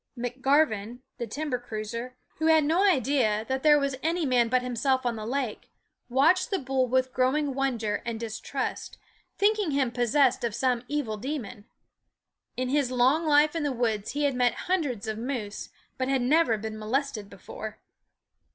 McGar ven, the timber cruiser, who had no idea that enaw/s there was any man but himself on the lake, IS/nouenawfs watc ^ ec ^ tne ^ u ^ w ^ tn growing wonder and distrust, thinking him possessed of some evil demon. In his long life in the woods he had met hundreds of moose, but had never been molested before.